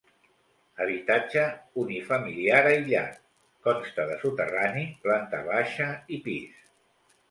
Habitatge unifamiliar aïllat, consta de soterrani, planta baixa i pis.